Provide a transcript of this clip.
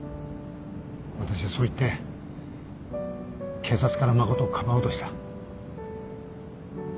私はそう言って警察から真をかばおうとした。